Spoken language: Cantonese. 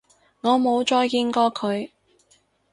我冇再見過佢